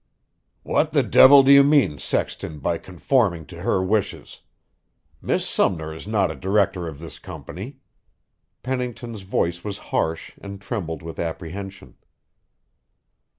"What the devil do you mean, Sexton, by conforming to her wishes? Miss Sumner is not a director of this company." Pennington's voice was harsh and trembled with apprehension.